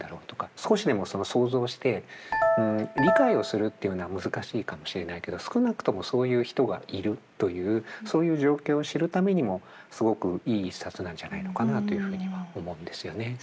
少しでも想像して理解をするっていうのは難しいかもしれないけど少なくともそういう人がいるというそういう状況を知るためにもすごくいい一冊なんじゃないのかなというふうには思うんですよね。